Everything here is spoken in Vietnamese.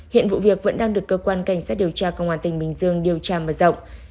hiện vụ việc vẫn đang được cơ quan cảnh sát điều tra công an tỉnh bình dương điều tra mở rộng